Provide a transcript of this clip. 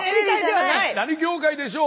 何業界でしょう？